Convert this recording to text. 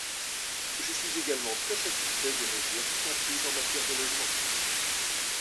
Je suis également très satisfait des mesures qui sont prises en matière de logements.